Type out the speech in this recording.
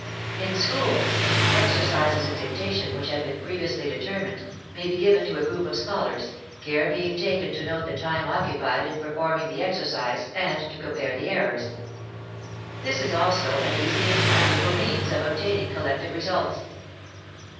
In schools, exercises in dictation which have been previously determined, may be given to a group of scholars, care being taken to note the time occupied in performing the exercise and to compare the errors. This is also an easy and practical means of obtaining collective results.